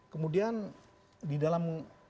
kemudian di dalam